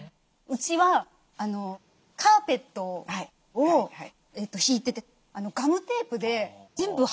うちはカーペットを敷いててガムテープで全部貼ってるんですよ。